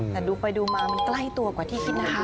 แต่ดูไปดูมามันใกล้ตัวกว่าที่คิดนะคะ